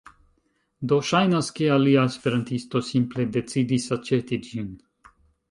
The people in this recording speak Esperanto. Do ŝajnas, ke alia esperantisto simple decidis aĉeti ĝin